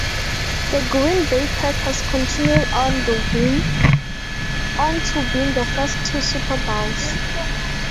The Green Bay Packers continued on to win the first two Super Bowls.